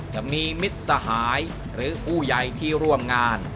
มิตรสหายหรือผู้ใหญ่ที่ร่วมงาน